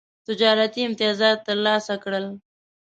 تجارتي امتیازات ترلاسه کړل.